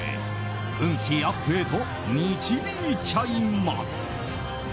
運気アップへと導いちゃいます。